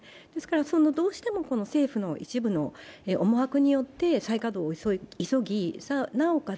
どうしても政府の一部の思惑によって再稼働を急ぎ、なおかつ